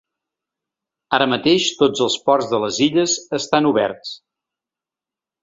Ara mateix tots els ports de les Illes estan oberts.